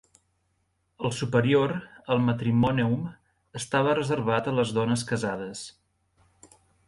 El superior, el matrimoneum, estava reservat a les dones casades.